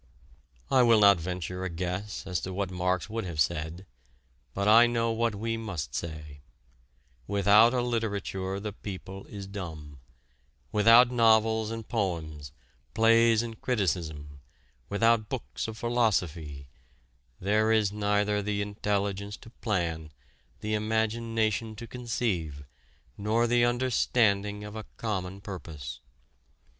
I will not venture a guess as to what Marx would have said, but I know what we must say: "Without a literature the people is dumb, without novels and poems, plays and criticism, without books of philosophy, there is neither the intelligence to plan, the imagination to conceive, nor the understanding of a common purpose.